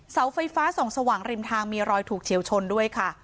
เสาไฟฟ้าส่องสว่างริมทางมีรอยถูกเฉียวชนด้วยค่ะ